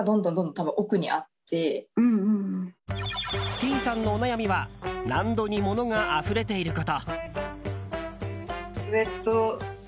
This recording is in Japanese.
Ｔさんのお悩みは納戸に物があふれていること。